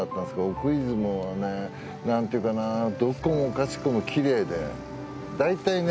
奥出雲はね何ていうかなどこもかしこもキレイで大体ね